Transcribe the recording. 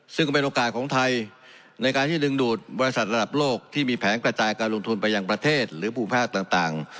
ซึ่งก็เป็นโอกาสของไทยในการที่ดึงดูดบริษัทระดับโลกที่มีแผนกระจายการลงทุนไปยังประเทศหรือภูมิภาคต่าง